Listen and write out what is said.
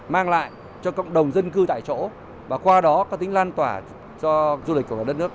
mang lại cho cộng đồng dân cư tại chỗ và qua đó có tính lan tỏa cho du lịch của một đất nước